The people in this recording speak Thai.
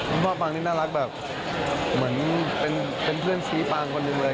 คุณพ่อปางนี่น่ารักแบบเหมือนเป็นเพื่อนชี้ปางคนหนึ่งเลย